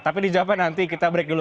tapi di jawabannya nanti kita break dulu